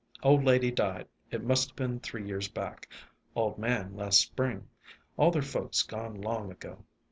Old lady died, it must be three years back. Old man last spring. All their folks gone long ago.